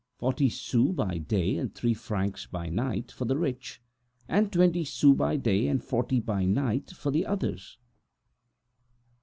Forty sous by day and three francs by night for the rich, and twenty sous by day, and forty by night for the others.